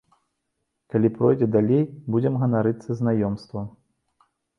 Калі пройдзе далей, будзем ганарыцца знаёмствам.